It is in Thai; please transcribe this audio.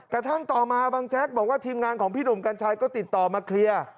กระทั่งต่อมาบางแจ๊กบอกว่าทีมงานของพี่หนุ่มกัญชัยก็ติดต่อมาเคลียร์